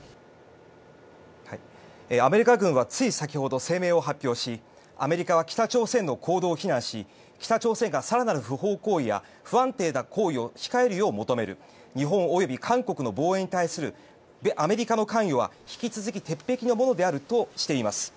アメリカ軍はつい先ほど声明を発表しアメリカは北朝鮮の行動を非難し北朝鮮は更なる不法行為や不安定な行為を控えるよう求める日本及び韓国の防衛に対するアメリカの関与は引き続き鉄壁のものであるとしています。